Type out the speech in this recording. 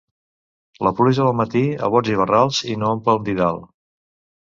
La pluja del matí a bots i barrals i no omple un didal.